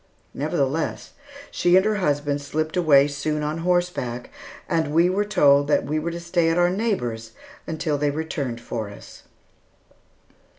Nevertheless, she and her husband slipped away soon on horseback, and we were told that we were to stay at our neighbor's until they returned for us.